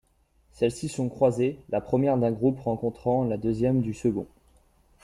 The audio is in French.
Celles-ci sont croisées, la première d'un groupe rencontrant la deuxième du second.